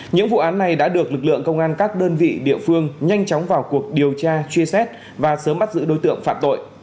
những vụ án này đã được lực lượng công an các đơn vị địa phương nhanh chóng vào cuộc điều tra truy xét và sớm bắt giữ đối tượng phạm tội